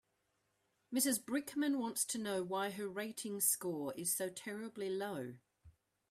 Mrs Brickman wants to know why her rating score is so terribly low.